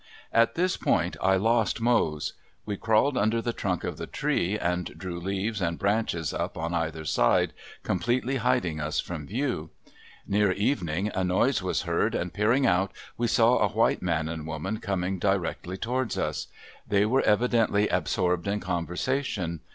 At this point I lost Mose. We crawled under the trunk of the tree and drew leaves and branches up on either side, completely hiding us from view. Near evening a noise was heard, and, peering out, we saw a white man and woman coming directly toward us. They were evidently absorbed in conversation.